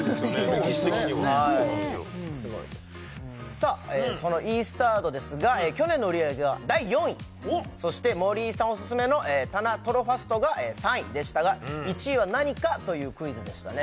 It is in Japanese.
歴史的にはそのイースタードですが去年の売り上げが第４位そして森井さんオススメの棚トロファストが３位でしたが１位は何かというクイズでしたね